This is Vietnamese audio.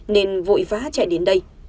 nên vội vã chạy đến đây